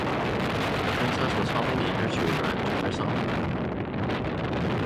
The Princess was humming a nursery rhyme to herself.